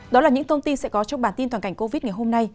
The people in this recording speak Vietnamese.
đó là những thông tin sẽ có trong bản tin toàn cảnh covid ngày hôm nay